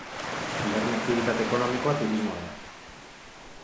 Bigarren aktibitate ekonomikoa turismoa da.